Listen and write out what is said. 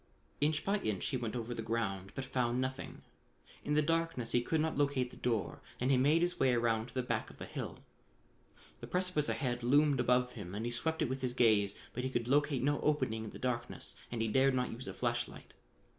Inch by inch he went over the ground, but found nothing. In the darkness he could not locate the door and he made his way around to the back of the hill. The precipice loomed above him and he swept it with his gaze, but he could locate no opening in the darkness and he dared not use a flash light.